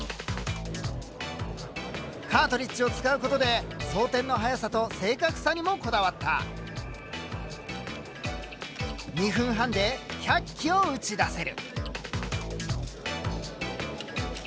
カートリッジを使うことで装填の速さと正確さにもこだわった。を打ち出せる。